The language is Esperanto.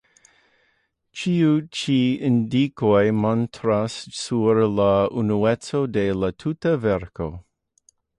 Ĉiu ĉi indikoj montras sur la unueco de la tuta verko.